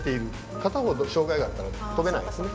片方障害があったら跳べないですね。